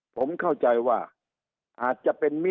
สุดท้ายก็ต้านไม่อยู่